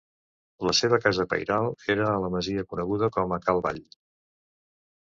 La seva casa pairal era a la masia coneguda com a Cal Vall.